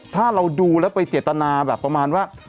ถ้าเราดูแล้วไปเจตนาแบบประมาณว่า